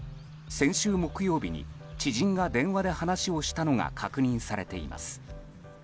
先週木曜日に知人が電話で話をしたのが確認されています。